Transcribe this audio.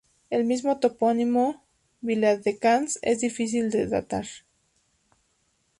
El mismo topónimo "Viladecans" es difícil de datar.